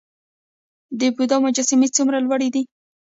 د بودا مجسمې څومره لوړې وې؟